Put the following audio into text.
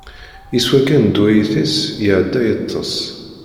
Yeswa kan ddwawit-is, iɛedda yeṭṭes.